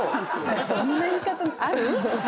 そんな言い方ある？